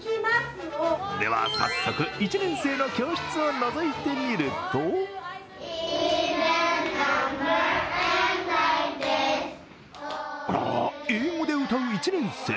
では早速、１年生の教室をのぞいてみるとあら、英語で歌う１年生。